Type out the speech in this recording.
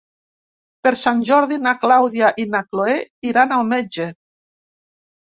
Per Sant Jordi na Clàudia i na Cloè iran al metge.